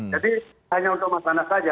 jadi hanya untuk mas anas saja